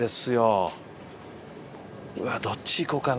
うわっどっちいこうかな？